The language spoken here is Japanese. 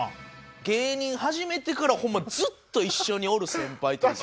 芸人始めてからホンマにずっと一緒におる先輩というか。